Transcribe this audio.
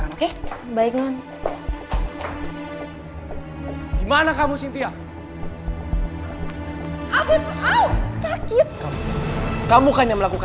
ada apa ini ada apa